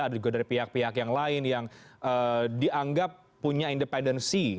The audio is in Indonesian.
ada juga dari pihak pihak yang lain yang dianggap punya independensi